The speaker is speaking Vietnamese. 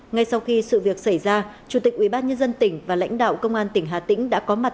ngay sau khi sự việc xảy ra chủ tịch ubnd tỉnh và lãnh đạo công an tỉnh hà tĩnh đã có mặt